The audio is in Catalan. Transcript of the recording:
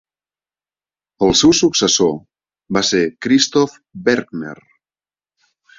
El seu successor va ser Christoph Bergner.